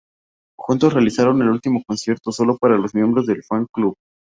Juntos realizaron un último concierto solo para los miembros del Fan Club.